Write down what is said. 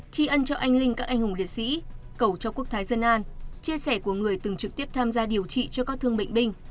tri ân cho anh linh các anh hùng liệt sĩ cầu cho quốc thái dân an